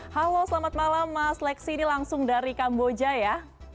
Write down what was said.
halo selamat malam mas lexi ini langsung dari kamboja ya